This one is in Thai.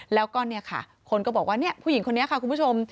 แล้วก็เนี่ยค่ะคนก็บอกว่าเนี่ยผู้หญิงคนนี้ค่ะคุณผู้ชม